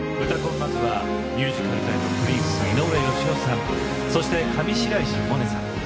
まずはミュージカルライブのプリンス井上芳雄さんそして上白石萌音さん。